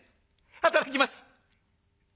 働きます。